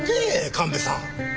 神戸さん。